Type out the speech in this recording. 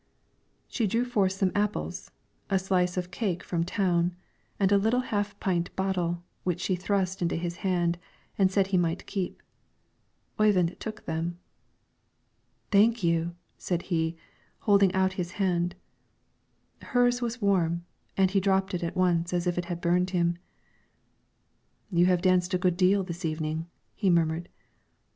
She drew forth some apples, a slice of a cake from town, and a little half pint bottle, which she thrust into his hand, and said he might keep. Oyvind took them. "Thank you!" said he, holding out his hand; hers was warm, and he dropped it at once as if it had burned him. "You have danced a good deal this evening," he murmured.